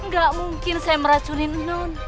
gak mungkin saya meracunin